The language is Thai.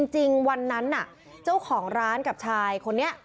จริงวันนั้นน่ะเจ้าของร้านกับชายคนนี้